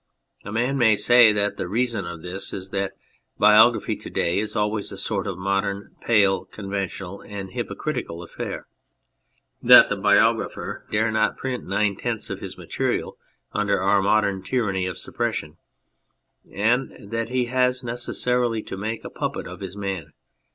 A man may say that the reason of this is that biography to day is always a sort of modern, pale, conventional, and hypocritical affair that the biographer dare not print nine tenths of his material under our modern tyranny of suppression, and that he has necessarily to make a puppet of his man.